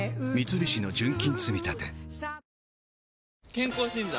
健康診断？